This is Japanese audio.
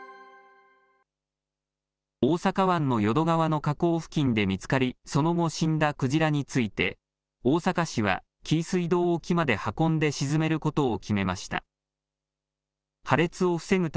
大阪湾の淀川の河口付近で見つかり、その後死んだクジラについて、大阪市は、紀伊水道沖まで運んで沈めることを決めました。